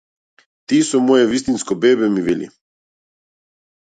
Ти со мое вистинско бебе, ми вели.